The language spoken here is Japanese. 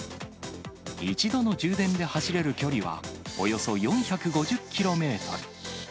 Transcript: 一度の充電で走れる距離は、およそ４５０キロメートル。